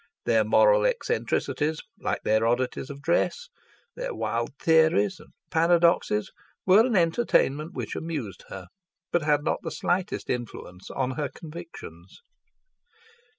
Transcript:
Their moral eccentricities, like their oddities of dress, their wild theories and paradoxes, were an entertainment which amused her, but had not the slightest influence on her convictions.